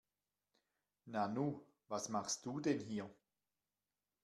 Nanu, was machst du denn hier?